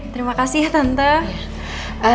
terima kasih ya tante